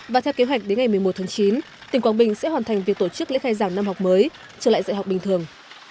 và theo kế hoạch đến ngày một mươi một tháng chín tỉnh quảng bình sẽ hoàn thành việc tổ chức lễ khai giảng năm học mới trở lại dạy học bình thường